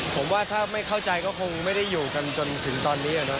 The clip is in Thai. ผมว่าถ้าไม่เข้าใจก็คงไม่ได้อยู่กันจนถึงตอนนี้